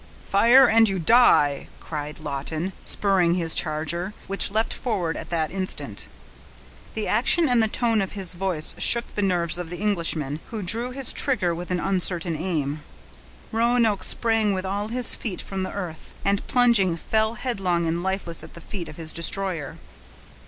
"Fire and you die!" cried Lawton, spurring his charger, which leaped forward at the instant. The action and the tone of his voice shook the nerves of the Englishman, who drew his trigger with an uncertain aim. Roanoke sprang with all his feet from the earth, and, plunging, fell headlong and lifeless at the feet of his destroyer.